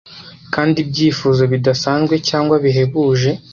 kandi ibyifuzo bidasanzwe cyangwa bihebuje